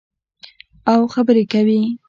او خبرې کوي.